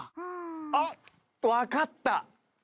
あっわかった。